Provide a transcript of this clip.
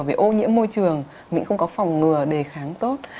về ô nhiễm môi trường mình không có phòng ngừa đề kháng tốt